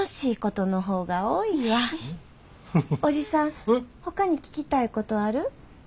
おじさんほかに聞きたいことある？